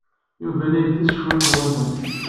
Yuba la yettess cwiṭ n waman.